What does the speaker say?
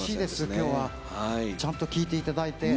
今日はちゃんと聴いていただいて。